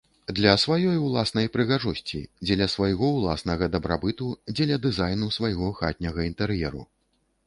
Для сваёй уласнай прыгажосці, дзеля свайго уласнага дабрабыту, дзеля дызайну свайго хатняга інтэр'еру.